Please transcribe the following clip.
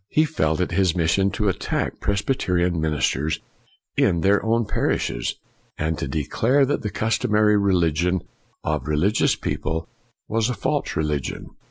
He felt it his mission to attack Presbyterian ministers in their own parishes, and to declare that the customary religion of re ligious people was a false religion.